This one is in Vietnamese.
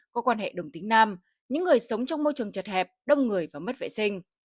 có quan hệ đồng tính nam những người sống trong môi trường chật hẹp đông người và mất vệ sinh